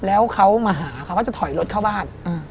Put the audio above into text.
แล้วเขามาหาเขาก็จะถอยรถเข้าบ้าน